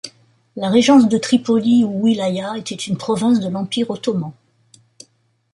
La régence de Tripoli, ou wilaya, était une province de l'empire ottoman.